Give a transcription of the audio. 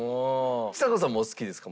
ちさ子さんもお好きですか？